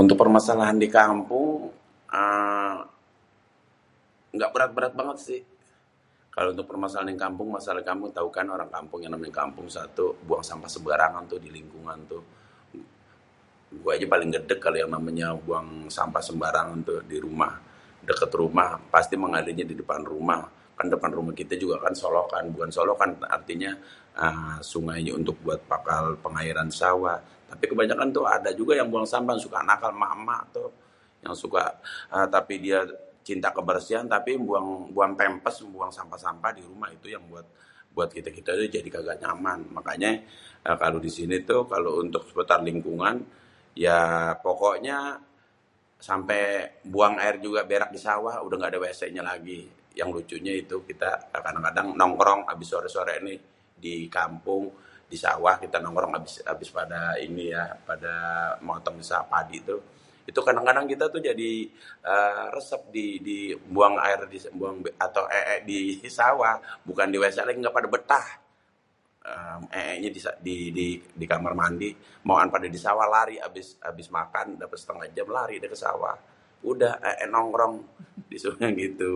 Untuk permasalahan dikampung. aaa gak berat-berat banget si, kalau permasalahan di kampung tau kan orang-orang kampung yang namanye dikampung. Satu buang sampah sembarangan tuh di lingkungan tuh, gué aje paling gedeg yang namanyé buang sampah sembarangan tuh di rumah deket rumah pas emang adenye di depan rumah, kan di depan rumah kité juga solokan. Bukan solokan artinye sungai untuk bakal pengairan sawah tapi kebanyakan tuh, ada aja tuh yang nakal buang sampah emak-emak tuh, yang suka tapi dié cinta kebersihan tapi buang pampers buang sampah-sampah di rumah jadi buat kité-kité engga nyaman makanyé. Kalo disini tuh kalau untuk seputar lingkungan ya pokoknyé sampe buang aer juga berak di saweh udeh engga ade WC lagi yang lucunya itu kita kadang-kadang nongkrong abis sore-sore nih di kampung di sawah kita nongkrong abis pada ini ya motong padi, itu kadang-kadang kita jadi resep buang aér atau ee' disawah bukan di WC lagi engga pada betah ee' nya di kamar mandi maoan pade di sawah lari abis makan dapet setengah jem lari dah ke sawah udeh ee' nongkrong gitu.